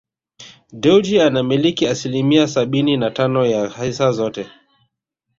Dewji anamiliki asilimia sabini na tano ya hisa zote